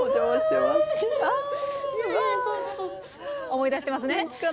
思い出してますね。